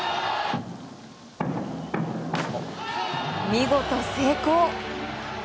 見事、成功！